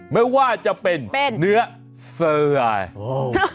ไม่ว่าจะเป็นเนื้อเซอร์ลอยโอ้โห